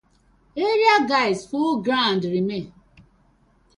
Area guyz full ground remain.